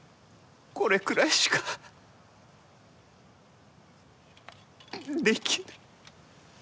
これくらいしかできぬ。